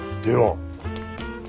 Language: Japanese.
では。